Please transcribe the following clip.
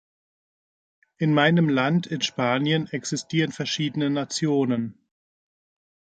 In meinem Land, in Spanien, existieren verschiedene Nationen.